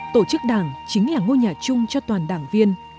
tổ chức đảng chính là ngôi nhà chung cho toàn đảng viên